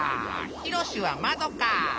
ひろしはまどか！